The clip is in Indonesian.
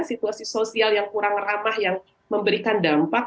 situasi sosial yang kurang ramah yang memberikan dampak